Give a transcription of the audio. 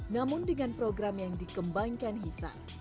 namun dengan program yang dikembangkan hisa